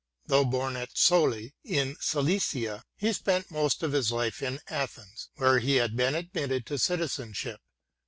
Though born at Soli, in Cilicia, he spent most of his life in Athens, where he had been admitted to citizenship.